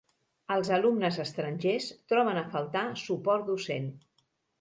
Els alumnes estrangers troben a faltar suport docent.